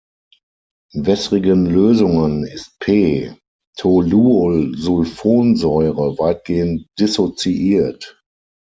In wässrigen Lösungen ist "p"-Toluolsulfonsäure weitgehend dissoziiert.